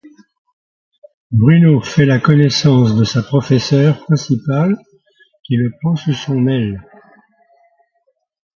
Bruno fait la connaissance de sa professeur principale qui le prend sous son aile.